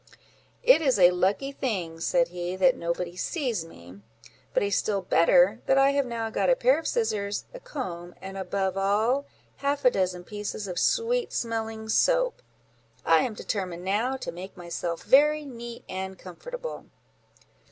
"It is a lucky thing," said he, "that nobody sees me, but a still better, that I have now got a pair of scissors, a comb, and, above all, half a dozen pieces of sweet smelling soap; I am determined now to make myself very neat and comfortable."